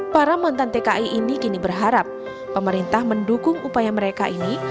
para mantan tki ini kini berharap pemerintah mendukung upaya mereka ini